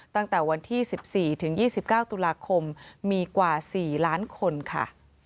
ตั้งแต่วันที่สิบสี่ถึงยี่สิบเก้าตุลาคมมีกว่าสี่ล้านคนค่ะ